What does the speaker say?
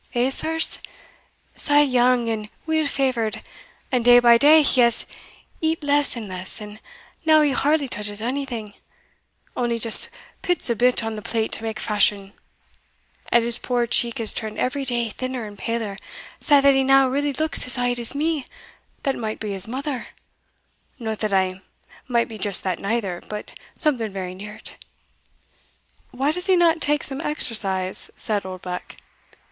Hegh sirs? sae young and weel favoured and day by day he has eat less and less, and now he hardly touches onything, only just pits a bit on the plate to make fashion and his poor cheek has turned every day thinner and paler, sae that he now really looks as auld as me, that might be his mother no that I might be just that neither, but something very near it." "Why does he not take some exercise?" said Oldbuck.